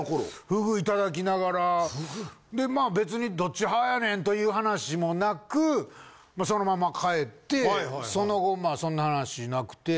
フグいただきながらでまあ別にどっち派やねんという話もなくまあそのまま帰ってその後まあそんな話なくて。